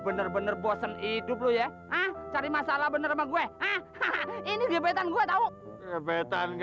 bener bener bosan hidup lu ya ah cari masalah bener sama gue ini gebetan gue tahu gebetan